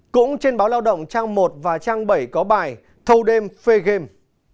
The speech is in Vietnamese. cũng trên báo lao động trang một và trang bảy có bài thâu đêm phê